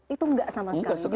itu tidak sama sekali